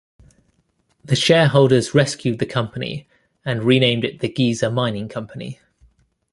The shareholders rescued the company and renamed it the Geyser Mining Company.